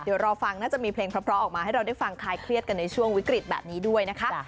เดี๋ยวรอฟังน่าจะมีเพลงเพราะออกมาให้เราได้ฟังคลายเครียดกันในช่วงวิกฤตแบบนี้ด้วยนะคะ